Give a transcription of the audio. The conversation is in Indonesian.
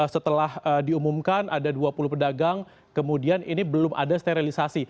setelah diumumkan ada dua puluh pedagang kemudian ini belum ada sterilisasi